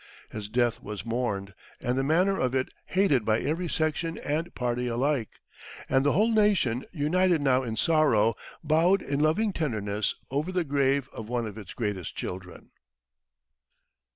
His death was mourned, and the manner of it hated by every section and party alike, and the whole nation, united now in sorrow, bowed in loving tenderness over the grave of one of its greatest children.